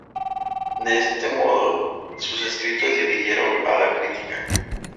De este modo, sus escritos dividieron a la crítica.